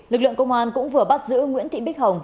lực lượng công an cũng vừa bắt giữ nguyễn thị bích hồng